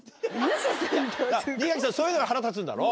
新垣さんそういうのが腹立つんだろ？